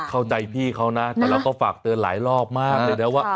เข้าใจพี่เขานะแต่เราก็ฝากเตือนหลายรอบมากเลยนะว่า